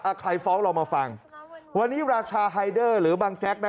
ใครฟ้องเรามาฟังวันนี้ราชาไฮเดอร์หรือบางแจ๊กนะ